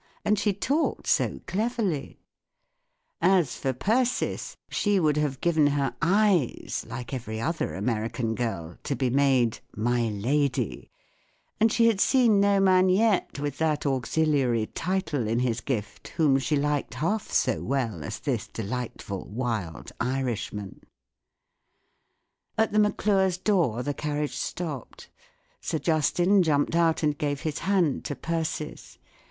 and she talked so cleverly ! As for Persis, she would have given her eyes (like every other American girl) to be made 377 "my lady"; and she had seen no man yet, with that auxiliary title in bis gift, whom she liked half so well as this delightful wild Irishman, At the Mac lures' door the carriage stopped. Sir Justin jumped out and gave his hand to Persis.